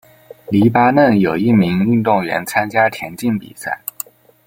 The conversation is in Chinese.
黎巴嫩有一名运动员参加田径比赛。